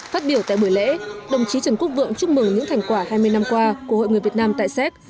phát biểu tại buổi lễ đồng chí trần quốc vượng chúc mừng những thành quả hai mươi năm qua của hội người việt nam tại séc